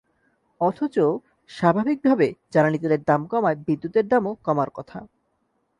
অথচ স্বাভাবিকভাবে জ্বালানি তেলের দাম কমায় বিদ্যুতের দামও কমার কথা।